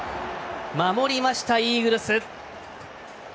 守りました、イーグルス。